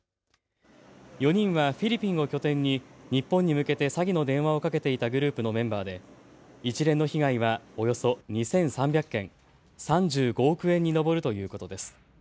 ４人はフィリピンを拠点に日本に向けて詐欺の電話をかけていたグループのメンバーで一連の被害はおよそ２３００件、３５億円に上るということです。